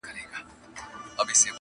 هر اندام يې دوو ټگانو وو ليدلى!.